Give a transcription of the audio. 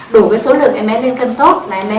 đủ cái số lượng em bé lên cân tốt là em bé